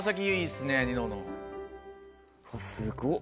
すごっ。